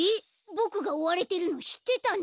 ボクがおわれてるのしってたの？